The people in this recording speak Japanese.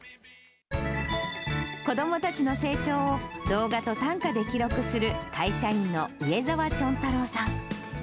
子どもたちの成長を動画と短歌で記録する、会社員の上沢ちょんたろうさん。